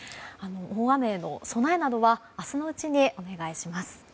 大雨の備えなどは明日のうちにお願いします。